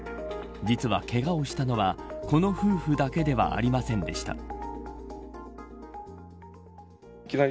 実は、けがをしたのはこの夫婦だけではありませんでした。